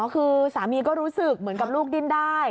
คือสามีก็รู้สึกเหมือนกับลูกดิ้นได้